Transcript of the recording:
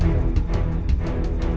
kau nyu k buckets all day